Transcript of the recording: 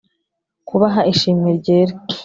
kubaha ishimwe ryera